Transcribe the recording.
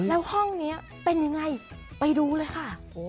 แล้วห้องนี้เป็นยังไงไปดูเลยค่ะ